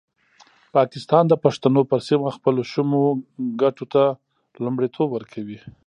پاکستان د پښتنو پر سیمه خپلو شومو ګټو ته لومړیتوب ورکوي.